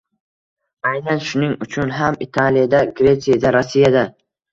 Aynan shuning uchun ham Italiyada, Gretsiyada, Rossiyada